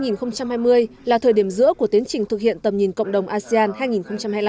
năm hai nghìn hai mươi là thời điểm giữa của tiến trình thực hiện tầm nhìn cộng đồng asean hai nghìn hai mươi năm